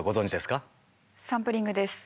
サンプリングです。